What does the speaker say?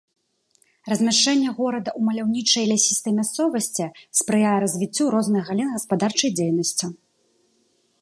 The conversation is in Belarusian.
Размяшчэнне горада ў маляўнічай лясістай мясцовасці спрыяе развіццю розных галін гаспадарчай дзейнасці.